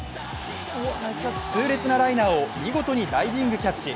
痛烈なライナーを見事にダイビングキャッチ。